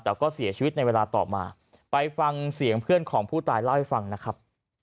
แต่ก็เสียชีวิตในเวลาต่อมาไปฟังเสียงเพื่อนของผู้ตายเล่าให้ฟังนะครับ